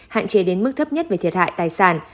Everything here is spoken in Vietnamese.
hạn chế đến mức thấp nhất về thiệt hại tài sản